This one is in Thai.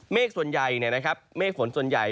ส่วนใหญ่เมฆฝนส่วนใหญ่